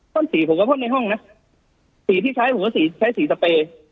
่นสีผมก็พ่นในห้องนะสีที่ใช้ผมก็สีใช้สีสเปย์